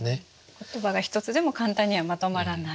言葉が一つでも簡単にはまとまらない。